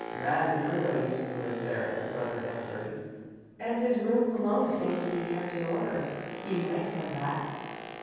Mad Bruno used to live there," the brother answered. "As his rooms alone seem to be kept in order, he might come back?"